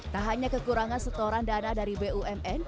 tak hanya kekurangan setoran dana dari bumn